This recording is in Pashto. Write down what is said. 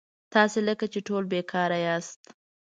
تاسي لکه چې ټول بېکاره یاست.